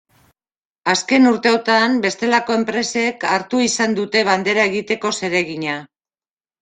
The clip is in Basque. Azken urteotan, bestelako enpresek hartu izan dute bandera egiteko zeregina.